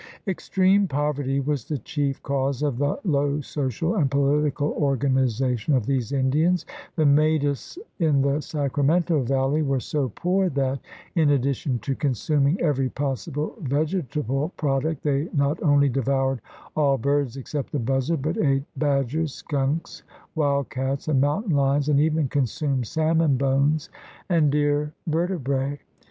Extreme poverty was the chief cause of the low social and political organization of these Indians. The Maidus in the Sacramento Valley were so poor that, in addition to consuming every possible vegetable product, they not only devoured all birds except the buzzard, but ate badgers, skunks, wildcats, and mountain lions, and even consumed salmon bones and deer vertebrae.